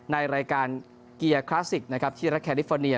ในรายการเกียร์คลาสสิกนะครับที่รักแคลิฟอร์เนีย